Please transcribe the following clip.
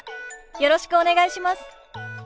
よろしくお願いします。